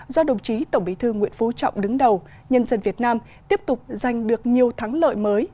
do đồng chí tổng bí thư nguyễn phú trọng đứng đầu nhân dân việt nam tiếp tục giành được nhiều thắng lợi mới